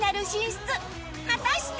果たして？